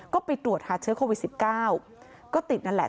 ก็ไปตรวจหาเชื้อโควิด๑๙ก็ติดนั่นแหละ